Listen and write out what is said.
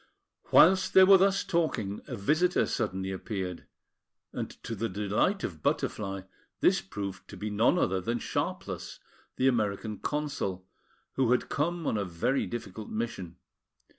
Whilst they were thus talking, a visitor suddenly appeared; and to the delight of Butterfly, this proved to be none other than Sharpless, the American Consul, who had come on a very difficult mission.